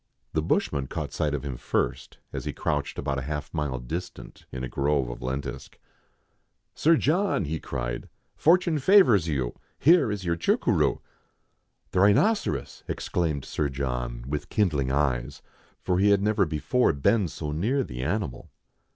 The bushman caught sight of him first, as he crouched about half a mile distant in a grove of lentisk. Sir John," he cried, " fortune favours you : here is your chucuroo!" "The rhinoceros!" exclaimed Sir John, with kindling eyes, for he had never before been so near the animal.